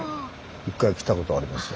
１回来たことありますよ。